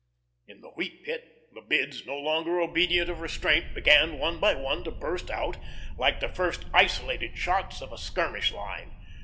In the Wheat Pit the bids, no longer obedient of restraint, began one by one to burst out, like the first isolated shots of a skirmish line.